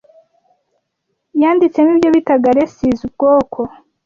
yanditsemo ibyo bitaga races ubwoko